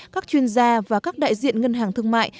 các chuyên gia và các đại diện ngân hàng thương mại